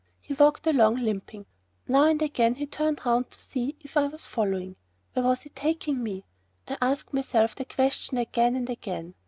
He walked along, limping. Now and again he turned 'round to see if I was following. Where was he taking me? I asked myself the question again and again.